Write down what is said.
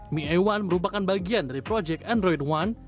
mi a satu merupakan bagian dari project android one